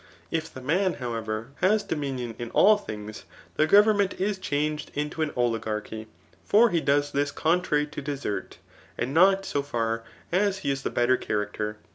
If the man, however, has dominion in all things, the go^ .Teniment is changed into an oligarchy ; for he does this contrary to desert, and not so far as he is the better cha* racter.